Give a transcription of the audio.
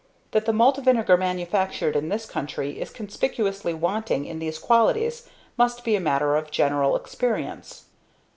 That the malt vinegar manufactured in this country is conspicuously wanting in these qualities must be a matter of general experience.